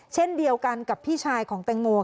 เช่นเดียวกันกับพี่ชายของแตงโม